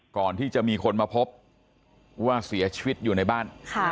ก่อนที่จะมีคนมาพบว่าเสียชีวิตอยู่ในบ้าน